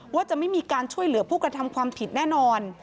ว่าจะไม่มีการช่วยเหลือผู้กระทำความผิดแน่นอน